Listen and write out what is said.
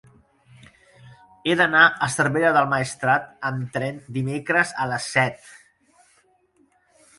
He d'anar a Cervera del Maestrat amb tren dimecres a les set.